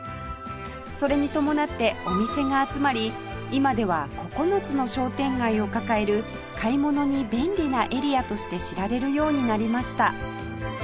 それに伴ってお店が集まり今では９つの商店街を抱える買い物に便利なエリアとして知られるようになりました